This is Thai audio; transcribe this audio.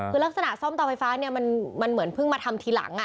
คือลักษณะซ่อมเตาไฟฟ้าเนี่ยมันเหมือนเพิ่งมาทำทีหลัง